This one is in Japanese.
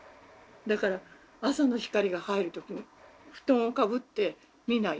だから朝の光が入る時布団をかぶって見ないように。